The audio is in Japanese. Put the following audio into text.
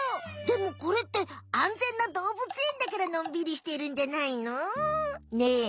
でもこれってあんぜんなどうぶつえんだからのんびりしてるんじゃないの？ねえ。